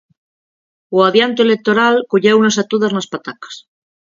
O adianto electoral colleunas a todas nas patacas.